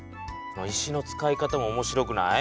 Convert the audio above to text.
石の使い方も面白くない？